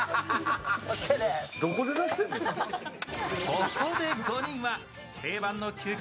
ここで５人は定番の休憩